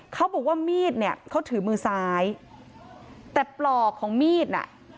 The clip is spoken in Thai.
เขาบอกว่ามีดเนี่ยเขาถือมือซ้ายแต่ปลอกของมีดน่ะ